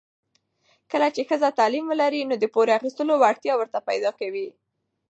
کله چې ښځه تعلیم ولري، نو د پور اخیستو وړتیا پیدا کوي.